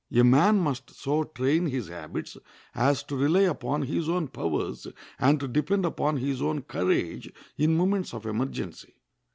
A man must so train his habits as to rely upon his own powers, and to depend upon his own courage in moments of emergency.